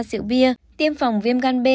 rượu bia tiêm phòng viêm gan b